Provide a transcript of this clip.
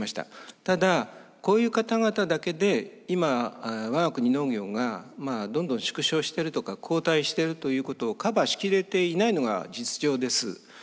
ただこういう方々だけで今我が国農業がどんどん縮小してるとか後退してるということをカバーし切れていないのが実情です。